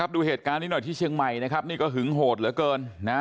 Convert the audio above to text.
ดูเหตุการณ์นี้หน่อยที่เชียงใหม่นะครับนี่ก็หึงโหดเหลือเกินนะ